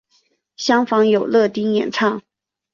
相逢有乐町演唱。